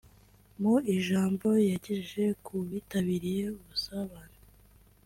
Mu ijambo yagejeje ku bitabiriye ubusabane